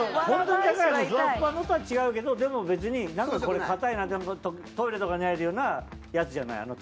ホントに高いやつふわふわのとは違うけどでも別になんかこれかたいなってトイレとかにあるようなやつじゃない。